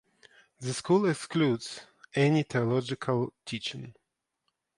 The school excludes any theological teaching.